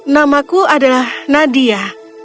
namaku adalah nadia